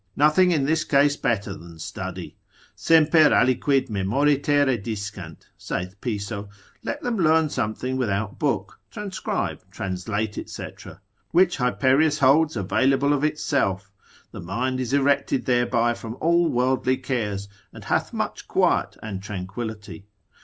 Nothing in this case better than study; semper aliquid memoriter ediscant, saith Piso, let them learn something without book, transcribe, translate, &c. Read the Scriptures, which Hyperius, lib. 1. de quotid. script. lec. fol. 77. holds available of itself, the mind is erected thereby from all worldly cares, and hath much quiet and tranquillity.